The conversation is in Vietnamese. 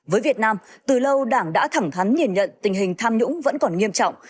với việt nam từ lâu đảng đã thẳng thắn nhìn nhận tình hình tham nhũng vẫn còn nghiêm trọng